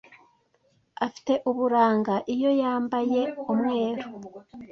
Afite uburanga iyo yambaye umweru.